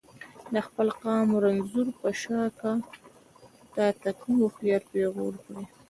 د خپل قام رنځور په شاکه ته ته کوم هوښیار پیغور کړي.